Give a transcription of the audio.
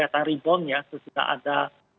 tari bom ya sesudah ada